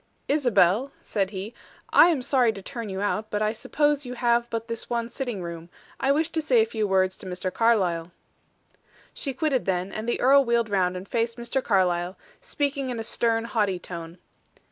"Isabel," said he, "I am sorry to turn you out, but I suppose you have but this one sitting room. I wish to say a few words to Mr. Carlyle." She quitted them, and the earl wheeled round and faced Mr. Carlyle, speaking in a stern, haughty tone.